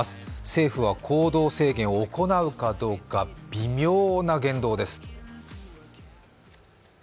政府は行動制限を行うかどうか微妙な言動です。